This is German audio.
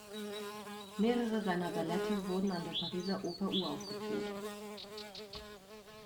Mehrere seiner Ballette wurden an der Pariser Oper uraufgeführt.